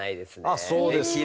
あっそうですか。